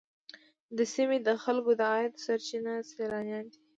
د سیمې د خلکو د عاید سرچینه سیلانیان دي.